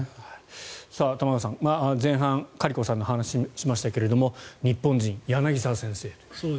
玉川さん、前半カリコさんの話をしましたが日本人、柳沢先生という。